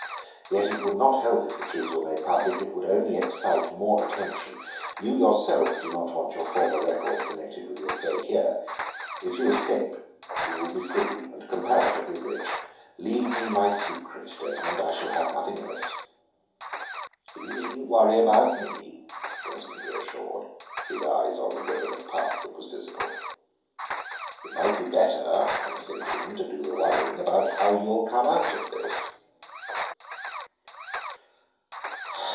You it would not help if the truth were made public; it would only excite more attention. You yourself do not want your former record connected with your stay here. If you escape, you will be free and comparatively rich; leave me my secret, Desmond; I shall have nothing else." "You needn't worry about me," Desmond reassured, his eyes on the ribbon of path that was visible. "It might be better, I'm thinking, to do the worrying about how you'll come out of this."